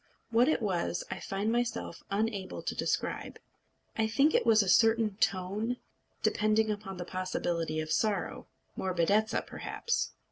What it was, I find myself unable to describe. I think it was a certain tone, depending upon the possibility of sorrow morbidezza, perhaps.